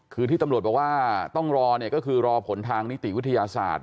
คือที่ตำรวจบอกว่าต้องรอเนี่ยก็คือรอผลทางนิติวิทยาศาสตร์